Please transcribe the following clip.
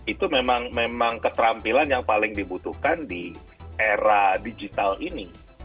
itu memang keterampilan yang paling dibutuhkan di era digital ini